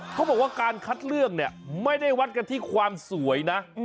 เขาบอกว่าการคัดเลือกเนี่ยไม่ได้วัดกันที่ความสวยนะ